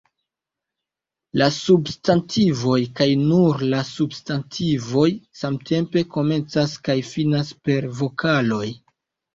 La substantivoj, kaj nur la substantivoj, samtempe komencas kaj finas per vokaloj.